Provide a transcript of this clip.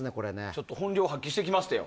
ちょっと本領発揮してきましたよ。